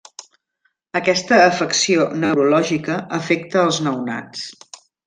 Aquesta afecció neurològica afecta als nounats.